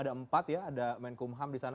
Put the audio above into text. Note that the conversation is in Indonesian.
ada empat ya ada menkumham disana